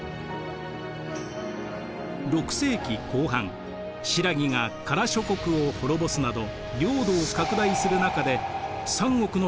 ６世紀後半新羅が加羅諸国を滅ぼすなど領土を拡大する中で三国の対立は激化。